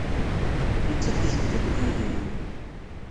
Nettat tezwej akked yedrimen.